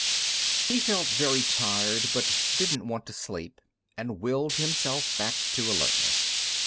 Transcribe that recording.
_ 4 He felt very tired, but didn't want to sleep, and willed himself back to alertness.